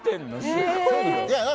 すごいね。